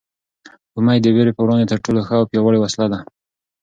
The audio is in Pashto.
امېد د وېرې په وړاندې تر ټولو ښه او پیاوړې وسله ده.